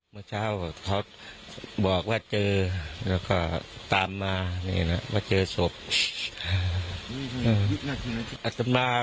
เมื่อเช้าเขาบอกว่าเจอแล้วก็ตามมานี่นะมาเจอศพอัตมา